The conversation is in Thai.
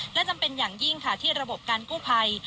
และจำเป็นอย่างยิ่งค่ะที่ระบบการกู้ภัย